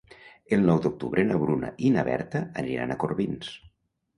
El nou d'octubre na Bruna i na Berta aniran a Corbins.